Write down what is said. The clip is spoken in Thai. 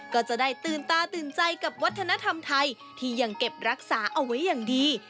ก็จะได้ตื่นตาตื่นใจกับวัฒนธรรมไทยที่ยังเก็บรักษาเอาไว้อย่างดี